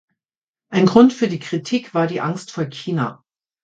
Ein Grund für die Kritik war die Angst vor China.